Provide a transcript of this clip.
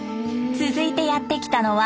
続いてやって来たのは２人組。